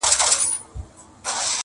هغه خپلواک او د بګړیو وطن!!